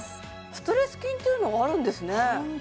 ストレス筋っていうのがあるんですね